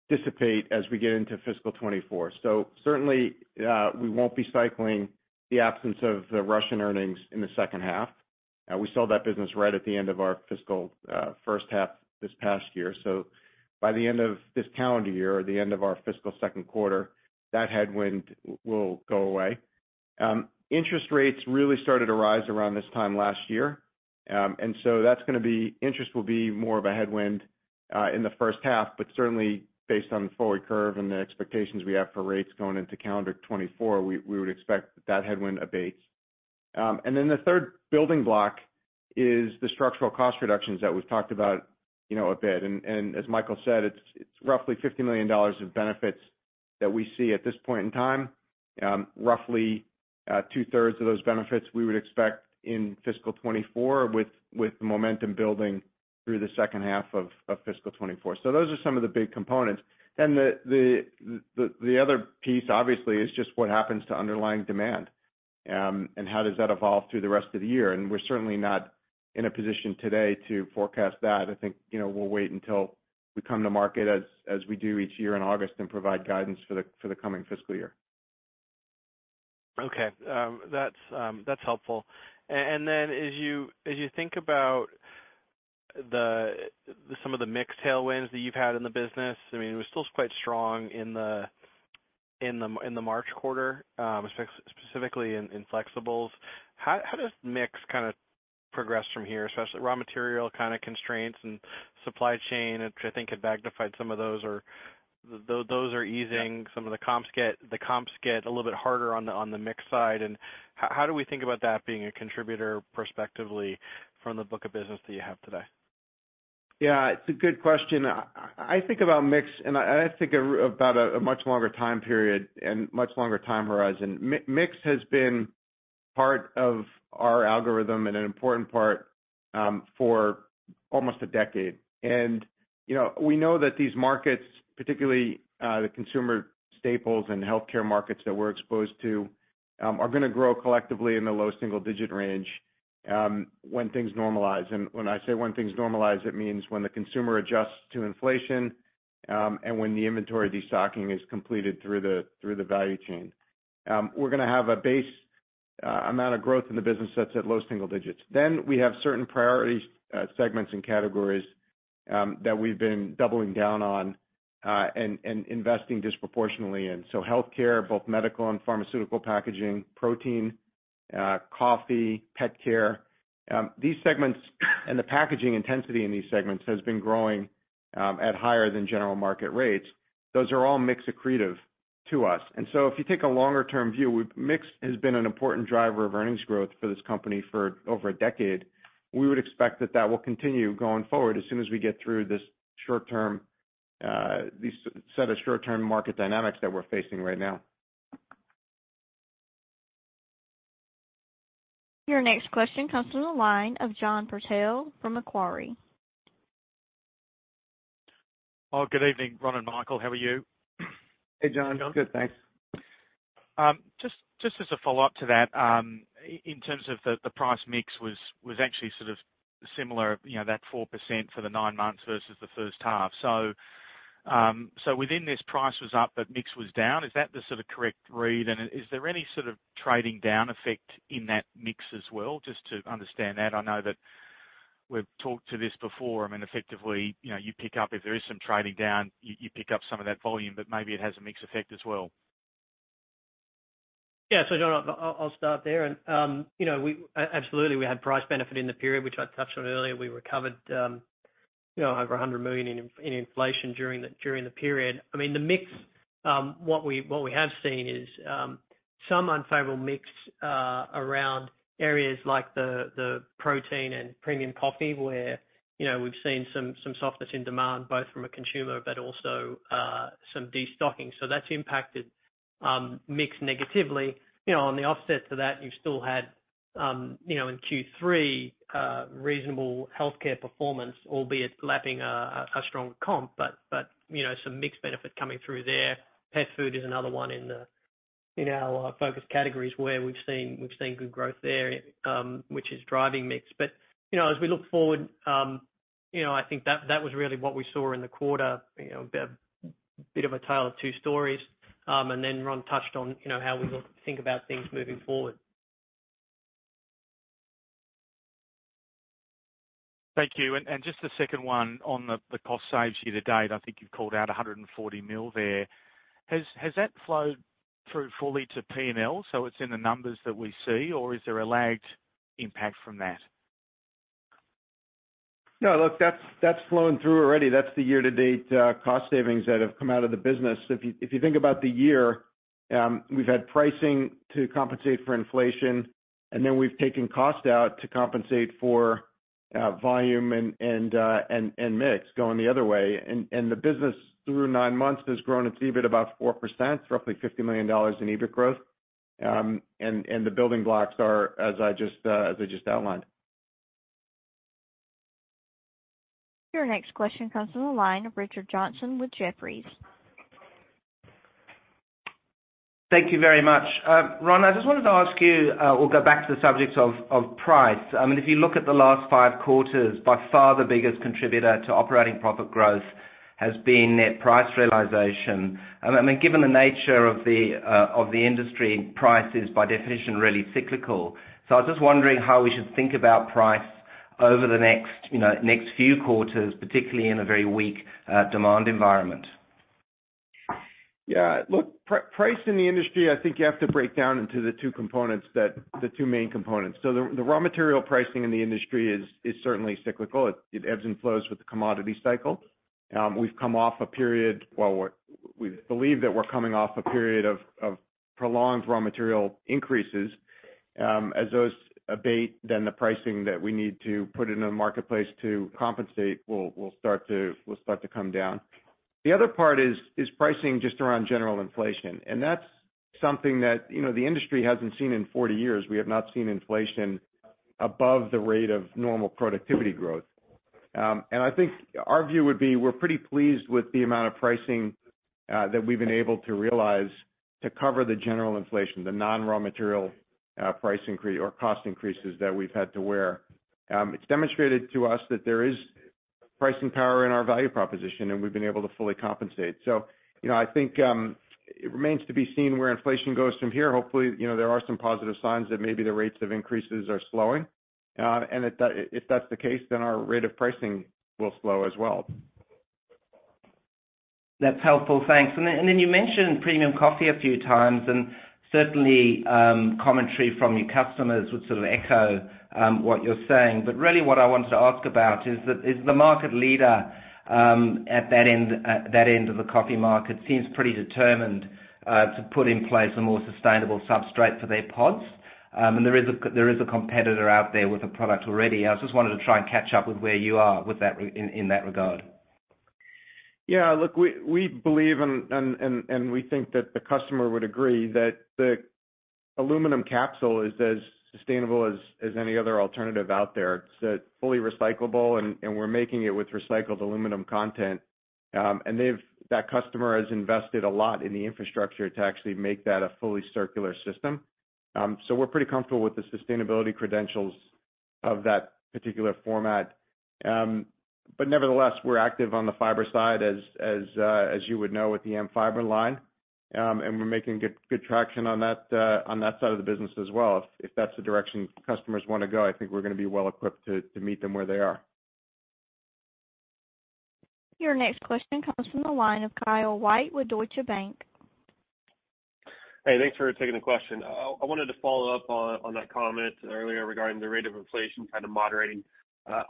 dissipate as we get into fiscal 2024. Certainly, we won't be cycling the absence of the Russian earnings in the second half. We sold that business right at the end of our fiscal, first half this past year. By the end of this calendar year or the end of our fiscal second quarter, that headwind will go away. Interest rates really started to rise around this time last year. Interest will be more of a headwind, in the first half. Certainly based on the forward curve and the expectations we have for rates going into calendar 2024, we would expect that headwind abates. Then the third building block is the structural cost reductions that we've talked about, you know, a bit. As Michael said, it's roughly $50 million of benefits that we see at this point in time. Roughly 2/3 of those benefits we would expect in fiscal 2024 with the momentum building through the second half of fiscal 2024. Those are some of the big components. Then the other piece obviously is just what happens to underlying demand, and how does that evolve through the rest of the year. We're certainly not in a position today to forecast that. I think, you know, we'll wait until we come to market as we do each year in August and provide guidance for the coming fiscal year. Okay. That's helpful. Then as you, as you think about the some of the mix tailwinds that you've had in the business, I mean, it was still quite strong in the March quarter, specifically in flexibles. How does mix kinda progress from here, especially raw material kinda constraints and supply chain, which I think had magnified some of those. Are those are easing some of the comps get a little bit harder on the, on the mix side. How do we think about that being a contributor prospectively from the book of business that you have today? Yeah, it's a good question. I think about mix, and I think about a much longer time period and much longer time horizon. Mix has been part of our algorithm and an important part, for almost a decade. You know, we know that these markets, particularly, the consumer staples and healthcare markets that we're exposed to, are gonna grow collectively in the low single-digit range, when things normalize. When I say when things normalize, it means when the consumer adjusts to inflation, and when the inventory destocking is completed through the, through the value chain. We're gonna have a base, amount of growth in the business that's at low single digits. We have certain priority, segments and categories, that we've been doubling down on, and investing disproportionately in. Healthcare, both medical and pharmaceutical packaging, protein, coffee, pet care, these segments and the packaging intensity in these segments has been growing at higher than general market rates. Those are all mix accretive to us. If you take a longer term view, mix has been an important driver of earnings growth for this company for over a decade. We would expect that that will continue going forward as soon as we get through this short term, these set of short-term market dynamics that we're facing right now. Your next question comes from the line of John Purtell from Macquarie. Oh, good evening, Ron and Michael, how are you? Hey, John. Good, thanks. Just as a follow-up to that, in terms of the price mix was actually sort of similar, you know, that 4% for the 9 months versus the first half. Within this price was up, but mix was down. Is that the sort of correct read? Is there any sort of trading down effect in that mix as well? Just to understand that. I know that we've talked to this before. I mean, effectively, you know, you pick up if there is some trading down, you pick up some of that volume, but maybe it has a mix effect as well. John, I'll start there. You know, absolutely, we had price benefit in the period which I touched on earlier. We recovered, you know, over $100 million in inflation during the period. I mean, the mix, what we have seen is, some unfavorable mix, around areas like the protein and premium coffee where, you know, we've seen some softness in demand, both from a consumer but also, some destocking. That's impacted, mix negatively. You know, on the offset to that, you still had, you know, in Q3, reasonable healthcare performance, albeit lapping a strong comp, but some mix benefit coming through there. Pet food is another one in our focus categories where we've seen good growth there, which is driving mix. you know, as we look forward, you know, I think that was really what we saw in the quarter, you know, a bit of a tale of two stories. Ron touched on, you know, how we think about things moving forward. Thank you. Just the second one on the cost saves year-to-date, I think you've called out $140 million there. Has that flowed through fully to P&L, so it's in the numbers that we see, or is there a lagged impact from that? No, look, that's flowing through already. That's the year-to-date cost savings that have come out of the business. If you think about the year, we've had pricing to compensate for inflation, and then we've taken cost out to compensate for volume and mix going the other way. The business through nine months has grown its EBIT about 4%, roughly $50 million in EBIT growth. The building blocks are as I just as I just outlined. Your next question comes from the line of Richard Johnson with Jefferies. Thank you very much. Ron, I just wanted to ask you, we'll go back to the subject of price. I mean, if you look at the last five quarters, by far the biggest contributor to operating profit growth has been net price realization. I mean, given the nature of the industry, price is by definition, really cyclical. I was just wondering how we should think about price over the next, you know, few quarters, particularly in a very weak demand environment? Look, price in the industry, I think you have to break down into the two main components. The raw material pricing in the industry is certainly cyclical. It ebbs and flows with the commodity cycle. Well, we believe that we're coming off a period of prolonged raw material increases. As those abate, the pricing that we need to put in the marketplace to compensate will start to come down. The other part is pricing just around general inflation, that's something that, you know, the industry hasn't seen in 40 years. We have not seen inflation above the rate of normal productivity growth. I think our view would be, we're pretty pleased with the amount of pricing that we've been able to realize to cover the general inflation, the non-raw material price increase or cost increases that we've had to wear. It's demonstrated to us that there is pricing power in our value proposition, and we've been able to fully compensate. You know, I think, it remains to be seen where inflation goes from here. Hopefully, you know, there are some positive signs that maybe the rates of increases are slowing. If that's the case, then our rate of pricing will slow as well. That's helpful. Thanks. You mentioned premium coffee a few times, and certainly, commentary from your customers would sort of echo what you're saying. Really what I wanted to ask about is that the market leader at that end of the coffee market seems pretty determined to put in place a more sustainable substrate for their pods. There is a competitor out there with a product already. I just wanted to try and catch up with where you are with that in that regard. Yeah. Look, we believe and we think that the customer would agree that the aluminum capsule is as sustainable as any other alternative out there. It's fully recyclable, and we're making it with recycled aluminum content. That customer has invested a lot in the infrastructure to actually make that a fully circular system. We're pretty comfortable with the sustainability credentials of that particular format. Nevertheless, we're active on the fiber side as you would know with the AmFiber line. We're making good traction on that side of the business as well. If that's the direction customers wanna go, I think we're gonna be well equipped to meet them where they are. Your next question comes from the line of Kyle White with Deutsche Bank. Hey, thanks for taking the question. I wanted to follow up on that comment earlier regarding the rate of inflation kind of moderating.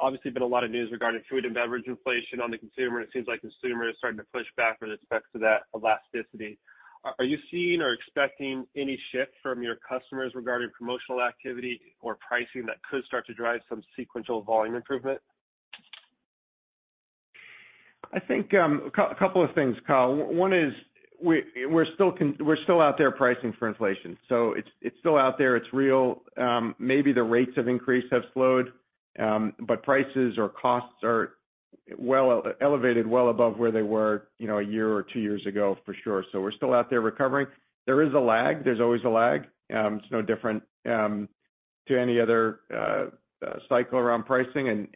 Obviously, been a lot of news regarding food and beverage inflation on the consumer. It seems like consumers are starting to push back with respect to that elasticity. Are you seeing or expecting any shift from your customers regarding promotional activity or pricing that could start to drive some sequential volume improvement? I think, couple of things, Kyle. One is we're still out there pricing for inflation, so it's still out there, it's real. Maybe the rates of increase have slowed, but prices or costs are elevated well above where they were, you know, a year or two years ago, for sure. We're still out there recovering. There is a lag. There's always a lag. It's no different to any other cycle around pricing.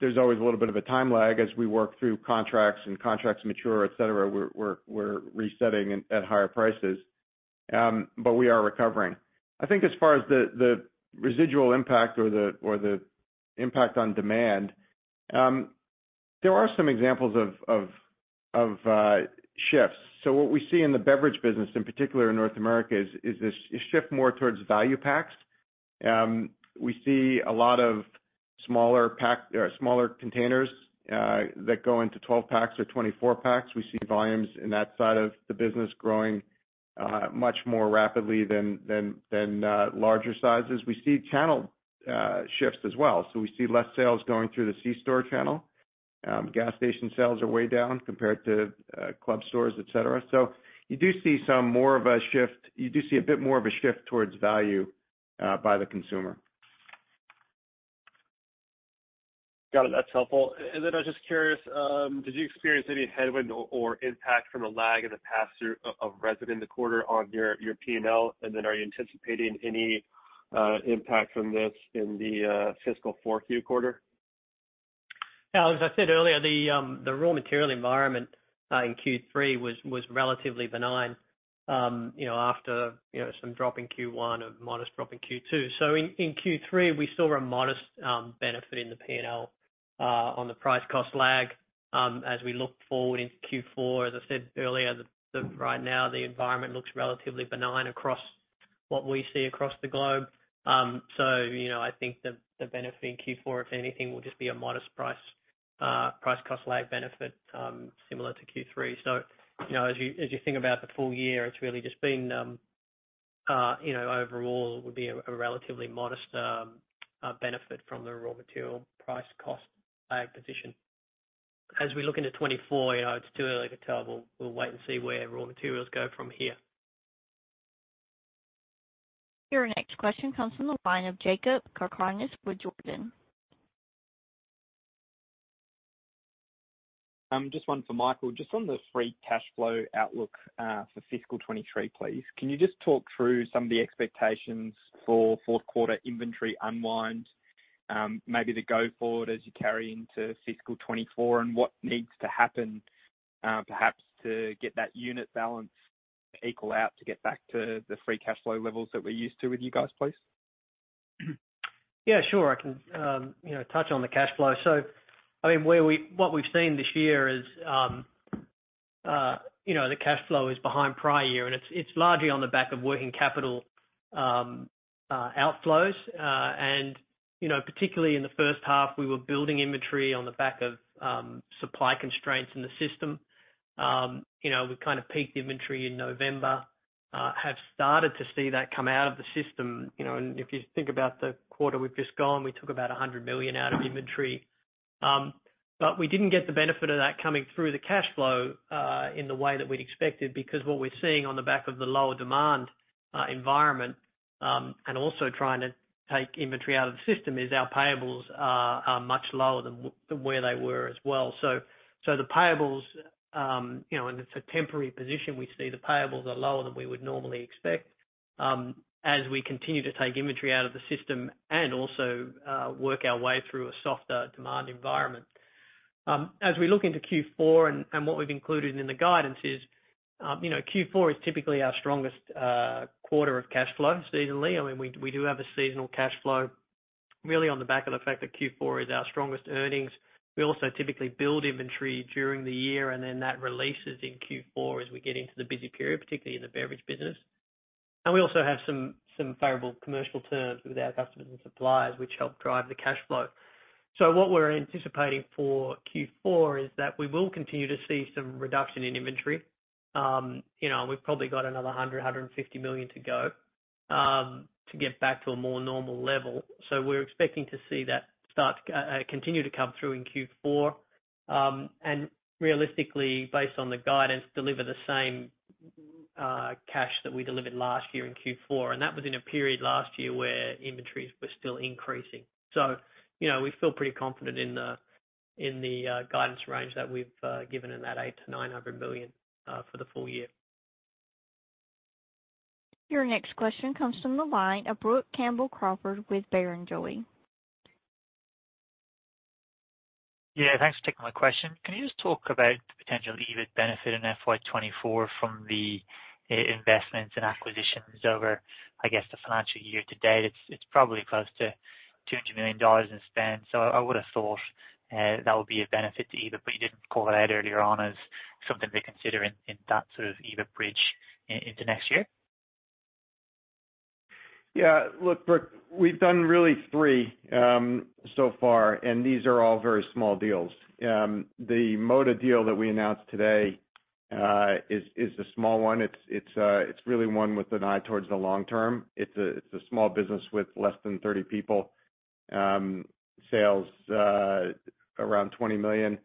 There's always a little bit of a time lag as we work through contracts and contracts mature, et cetera. We're resetting at higher prices. But we are recovering. I think as far as the residual impact or the impact on demand, there are some examples of shifts. What we see in the beverage business, in particular in North America, is this shift more towards value packs. We see a lot of smaller pack or smaller containers that go into 12 packs or 24 packs. We see volumes in that side of the business growing much more rapidly than larger sizes. We see channel shifts as well. We see less sales going through the C-store channel. Gas station sales are way down compared to club stores, et cetera. You do see some more of a shift. You do see a bit more of a shift towards value by the consumer. Got it. That's helpful. I'm just curious, did you experience any headwind or impact from the lag in the pass-through of resin the quarter on your P&L? Are you anticipating any impact from this in the fiscal fourth quarter? Now, as I said earlier, the raw material environment in Q3 was relatively benign, you know, after, you know, some drop in Q1 and modest drop in Q2. In Q3, we saw a modest benefit in the P&L on the price cost lag. As we look forward into Q4, as I said earlier, the right now the environment looks relatively benign across what we see across the globe. You know, I think the benefit in Q4, if anything, will just be a modest price cost lag benefit, similar to Q3. You know, as you think about the full year, it's really just been, you know, overall it would be a relatively modest benefit from the raw material price cost lag position. As we look into 2024, you know, it's too early to tell. We'll wait and see where raw materials go from here. Your next question comes from the line of Jakob Cakarnis with Jarden. Just one for Michael. Just on the free cash flow outlook, for fiscal 2023, please. Can you just talk through some of the expectations for fourth quarter inventory unwind? Maybe the go forward as you carry into fiscal 2024, and what needs to happen, perhaps to get that unit balance equal out to get back to the free cash flow levels that we're used to with you guys, please? Yeah, sure. I can, you know, touch on the cash flow. I mean, what we've seen this year is, you know, the cash flow is behind prior year, and it's largely on the back of working capital outflows. You know, particularly in the first half, we were building inventory on the back of supply constraints in the system. You know, we kind of peaked inventory in November, have started to see that come out of the system. You know, if you think about the quarter we've just gone, we took about $100 million out of inventory. But we didn't get the benefit of that coming through the cash flow in the way that we'd expected, because what we're seeing on the back of the lower demand environment, and also trying to take inventory out of the system is our payables are much lower than where they were as well. The payables, you know, it's a temporary position. We see the payables are lower than we would normally expect, as we continue to take inventory out of the system and also work our way through a softer demand environment. As we look into Q4 and what we've included in the guidance is, you know, Q4 is typically our strongest quarter of cash flow seasonally. I mean, we do have a seasonal cash flow really on the back of the fact that Q4 is our strongest earnings. We also typically build inventory during the year, and then that releases in Q4 as we get into the busy period, particularly in the beverage business. We also have some favorable commercial terms with our customers and suppliers, which help drive the cash flow. What we're anticipating for Q4 is that we will continue to see some reduction in inventory. You know, we've probably got another $150 million to go to get back to a more normal level. We're expecting to see that start continue to come through in Q4, and realistically, based on the guidance, deliver the same cash that we delivered last year in Q4. That was in a period last year where inventories were still increasing. You know, we feel pretty confident in the guidance range that we've given in that $800 million-$900 million for the full year. Your next question comes from the line of Brook Campbell-Crawford with Barrenjoey. Thanks for taking my question. Can you just talk about the potential EBIT benefit in FY 2024 from the investments and acquisitions over, I guess, the financial year to date? It's probably close to $200 million in spend. I would've thought that would be a benefit to EBIT, but you didn't call it out earlier on as something to consider in that sort of EBIT bridge into next year. Yeah. Look, Brook, we've done really 3 so far, and these are all very small deals. The Moda deal that we announced today is a small one. It's really one with an eye towards the long term. It's a small business with less than 30 people. Sales around $20 million.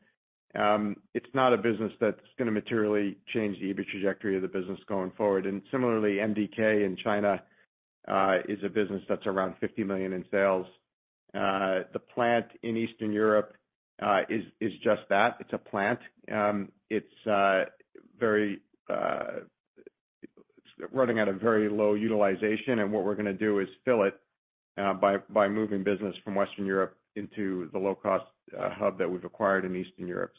It's not a business that's gonna materially change the EBIT trajectory of the business going forward. Similarly, MDK in China is a business that's around $50 million in sales. The plant in Eastern Europe is just that. It's a plant. It's running at a very low utilization, and what we're gonna do is fill it by moving business from Western Europe into the low-cost hub that we've acquired in Eastern Europe.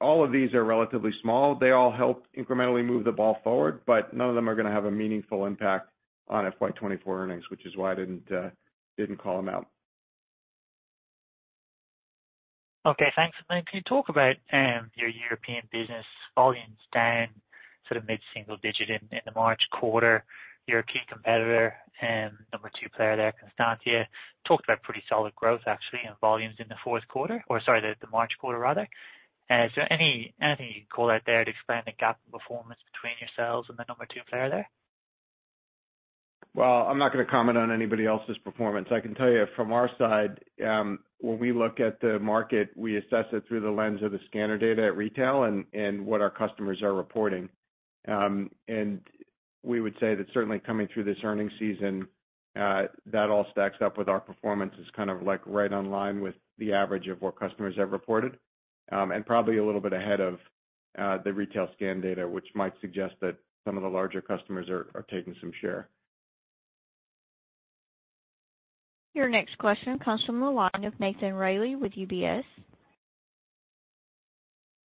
All of these are relatively small. They all help incrementally move the ball forward, but none of them are going to have a meaningful impact on FY 2024 earnings, which is why I didn't call them out. Okay, thanks. Can you talk about your European business volumes down sort of mid-single digit in the March quarter? Your key competitor and number two player there, Constantia, talked about pretty solid growth actually and volumes in the fourth quarter or sorry, the March quarter rather. Is there anything you can call out there to explain the gap in performance between yourselves and the number two player there? I'm not gonna comment on anybody else's performance. I can tell you from our side, when we look at the market, we assess it through the lens of the scanner data at retail and what our customers are reporting. We would say that certainly coming through this earnings season, that all stacks up with our performance as kind of like right on line with the average of what customers have reported, and probably a little bit ahead of the retail scan data, which might suggest that some of the larger customers are taking some share. Your next question comes from the line of Nathan Reilly with UBS.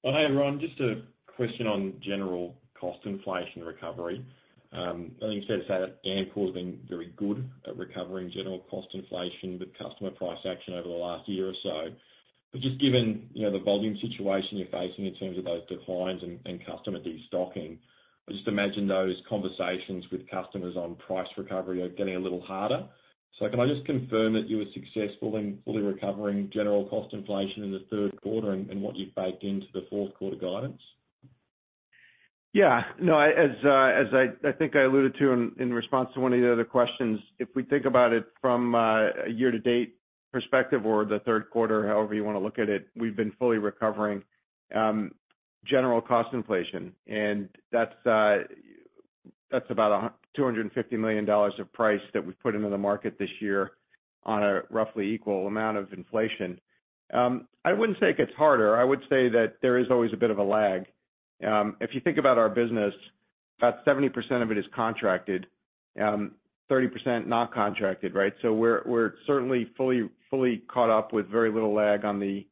Hey, Ron. Just a question on general cost inflation recovery. I think you've said that Amcor's been very good at recovering general cost inflation with customer price action over the last year or so. Just given, you know, the volume situation you're facing in terms of those declines and customer destocking, I just imagine those conversations with customers on price recovery are getting a little harder. Can I just confirm that you were successful in fully recovering general cost inflation in the third quarter and what you've baked into the fourth quarter guidance? Yeah. No, as I think I alluded to in response to one of the other questions, if we think about it from a year to date perspective or the third quarter, however you wanna look at it, we've been fully recovering general cost inflation. That's about $250 million of price that we've put into the market this year on a roughly equal amount of inflation. I wouldn't say it gets harder. I would say that there is always a bit of a lag. If you think about our business, about 70% of it is contracted, 30% not contracted, right? We're certainly fully caught up with very little lag on the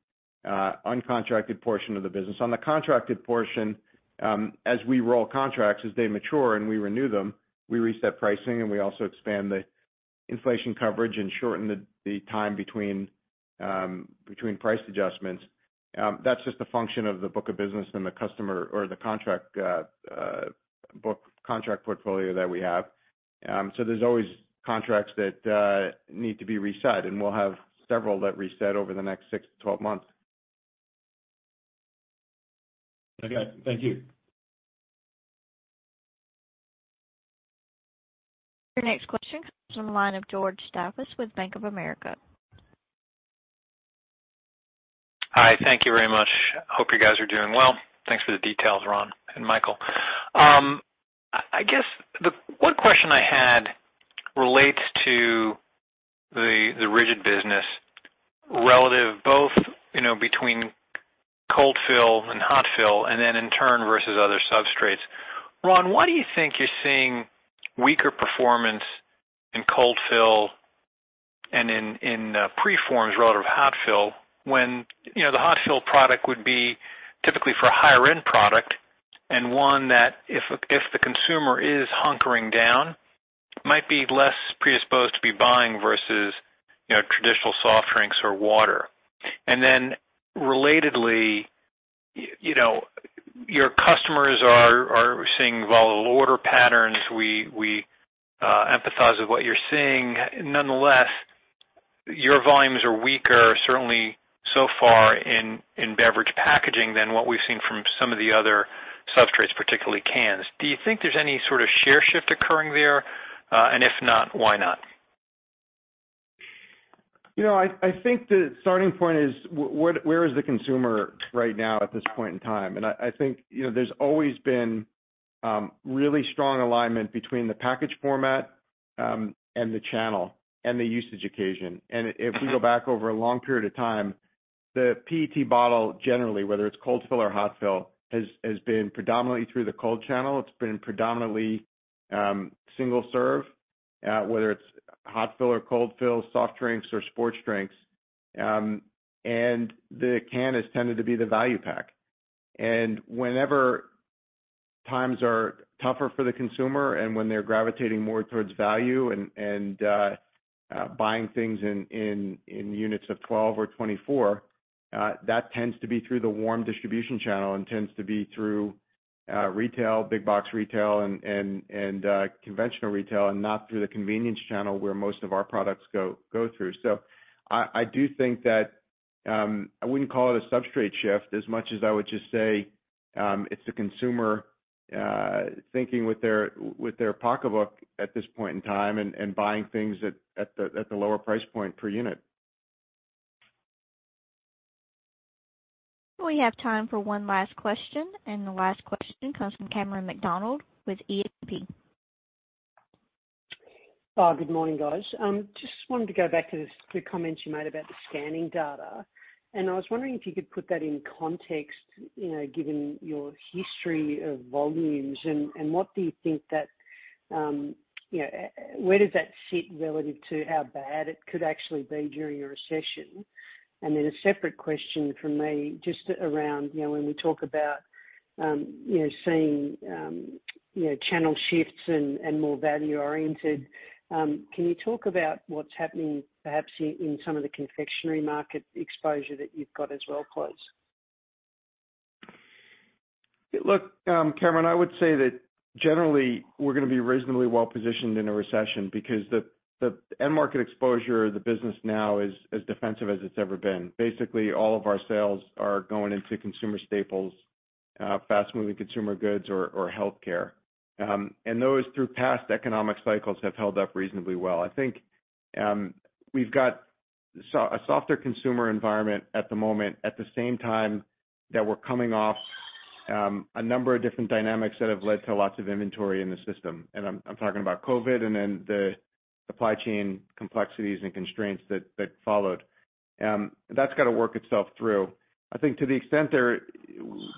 uncontracted portion of the business. On the contracted portion, as we roll contracts, as they mature and we renew them, we reset pricing, and we also expand the inflation coverage and shorten the time between price adjustments. That's just a function of the book of business and the customer or the contract book, contract portfolio that we have. There's always contracts that need to be reset, and we'll have several that reset over the next 6 to 12 months. Okay. Thank you. Your next question comes from the line of George Staphos with Bank of America. Hi. Thank you very much. Hope you guys are doing well. Thanks for the details, Ron and Michael. I guess the one question I had relates to the rigid business relative both, you know, between cold fill and hot fill, and then in turn, versus other substrates. Ron, why do you think you're seeing weaker performance in cold fill and in preforms relative hot fill when, you know, the hot fill product would be typically for a higher end product and one that if the consumer is hunkering down, might be less predisposed to be buying versus, you know, traditional soft drinks or water? Relatedly, you know, your customers are seeing volatile order patterns we empathize with what you're seeing. Nonetheless, your volumes are weaker, certainly so far in beverage packaging than what we've seen from some of the other substrates, particularly cans. Do you think there's any sort of share shift occurring there? If not, why not? You know, I think the starting point is where is the consumer right now at this point in time? I think, you know, there's always been really strong alignment between the package format and the channel and the usage occasion. If we go back over a long period of time, the PET bottle, generally, whether it's cold fill or hot fill, has been predominantly through the cold channel. It's been predominantly single serve, whether it's hot fill or cold fill, soft drinks or sports drinks. The can has tended to be the value pack. Whenever times are tougher for the consumer and when they're gravitating more towards value and buying things in, in units of 12 or 24, that tends to be through the warm distribution channel and tends to be through retail, big box retail and conventional retail, and not through the convenience channel where most of our products go through. I do think that I wouldn't call it a substrate shift as much as I would just say it's the consumer thinking with their, with their pocketbook at this point in time and buying things at the, at the lower price point per unit. We have time for one last question, and the last question comes from Cameron McDonald with E&P. Good morning, guys. Just wanted to go back to the comments you made about the scanning data. I was wondering if you could put that in context, you know, given your history of volumes and what do you think that, you know, where does that sit relative to how bad it could actually be during a recession? A separate question from me, just around, you know, when we talk about, you know, seeing, you know, channel shifts and more value-oriented, can you talk about what's happening perhaps in some of the confectionery market exposure that you've got as well, please? Look, Cameron, I would say that generally we're gonna be reasonably well-positioned in a recession because the end market exposure of the business now is as defensive as it's ever been. Basically, all of our sales are going into consumer staples, fast-moving consumer goods or healthcare. Those through past economic cycles have held up reasonably well. I think we've got a softer consumer environment at the moment, at the same time that we're coming off a number of different dynamics that have led to lots of inventory in the system. I'm talking about COVID and then the supply chain complexities and constraints that followed. That's gotta work itself through. I think to the extent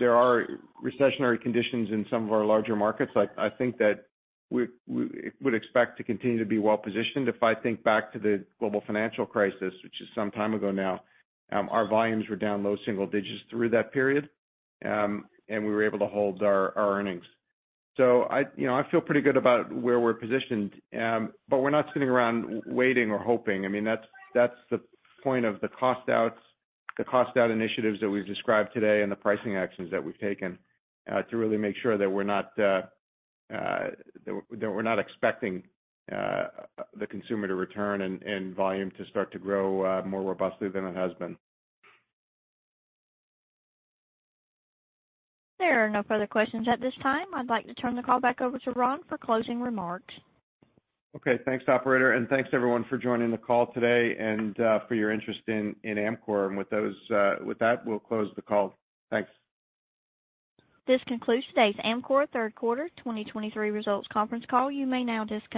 there are recessionary conditions in some of our larger markets, I think that we would expect to continue to be well-positioned. If I think back to the global financial crisis, which is some time ago now, our volumes were down low single digits through that period, and we were able to hold our earnings. I, you know, I feel pretty good about where we're positioned. We're not sitting around waiting or hoping. I mean, that's the point of the cost outs, the cost out initiatives that we've described today and the pricing actions that we've taken, to really make sure that we're not, that we're not expecting, the consumer to return and volume to start to grow more robustly than it has been. There are no further questions at this time. I'd like to turn the call back over to Ron for closing remarks. Okay. Thanks, operator. Thanks everyone for joining the call today and for your interest in Amcor. With those, with that, we'll close the call. Thanks. This concludes today's Amcor third quarter 2023 results conference call. You may now disconnect.